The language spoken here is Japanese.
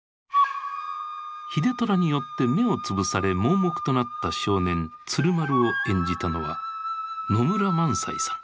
秀虎によって目を潰され盲目となった少年鶴丸を演じたのは野村萬斎さん。